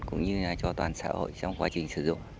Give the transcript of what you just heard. cũng như là cho toàn xã hội trong quá trình sử dụng